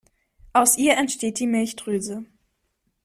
Aus ihr entsteht die Milchdrüse.